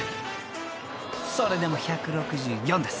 ［それでも１６４です。